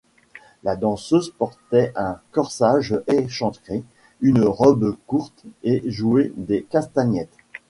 La danseuse portait un corsage échancré, une robe courte et jouait des castagnettes.